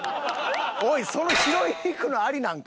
おいその拾いに行くのありなんか？